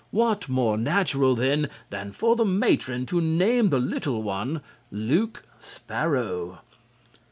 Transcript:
What more natural, then, than for the matron to name the little one Luke Sparrow?